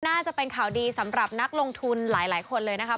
น่าจะเป็นข่าวดีสำหรับนักลงทุนหลายคนเลยนะครับ